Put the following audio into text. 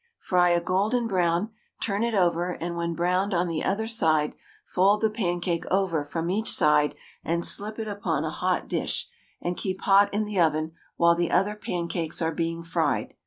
Fry a golden brown, turn it over, and when browned on the other side fold the pancake over from each side and slip it upon a hot dish, and keep hot in the oven while the other pancakes are being fried.